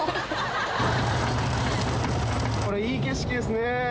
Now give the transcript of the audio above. いい景色ですね！